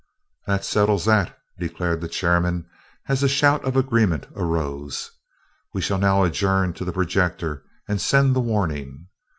"That settles that," declared the chairman as a shout of agreement arose. "We shall now adjourn to the projector and send the warning.